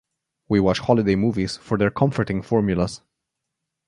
We watch holiday movies for their comforting formulas.